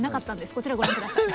こちらご覧下さい。